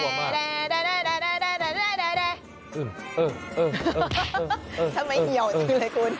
ทำไมเหี่ยวจังเลยคุณ